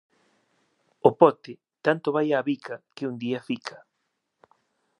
O pote tanto vai á bica que un día fica.